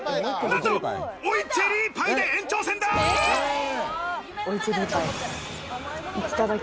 なんと追いチェリーパイで延長戦だ。